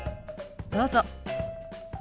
どうぞ。